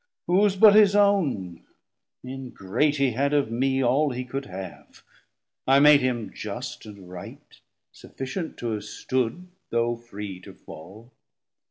Whose but his own? ingrate, he had of mee All he could have; I made him just and right, Sufficient to have stood, though free to fall.